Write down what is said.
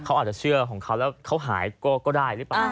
เขาอาจจะเชื่อของเขาแล้วเขาหายก็ได้หรือเปล่า